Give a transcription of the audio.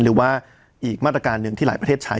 หรือว่าอีกมาตรการหนึ่งที่หลายประเทศใช้